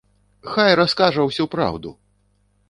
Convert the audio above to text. Хай раскажа ўсю праўду!